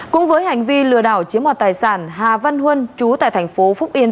cùng với hành vi lừa đảo chiếm hòa tài sản hà văn huân trú tại thành phố phúc yên